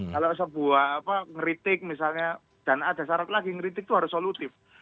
kalau sebuah ngeritik misalnya dan ada syarat lagi ngeritik itu harus solutif